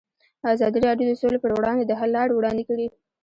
ازادي راډیو د سوله پر وړاندې د حل لارې وړاندې کړي.